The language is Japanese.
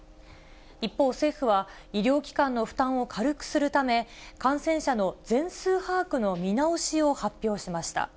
一方、政府は医療機関の負担を軽くするため、感染者の全数把握の見直しを発表しました。